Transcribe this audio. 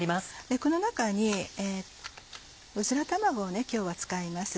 この中にうずら卵を今日は使います。